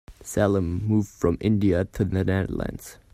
Salim moved from India to the Netherlands.